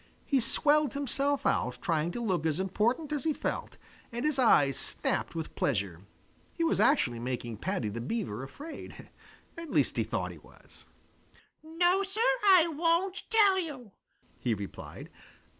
He swelled himself out trying to look as important as he felt, and his eyes snapped with pleasure. He was actually making Paddy the Beaver afraid. At least he thought he was. "No, Sir, I won't tell you," he replied.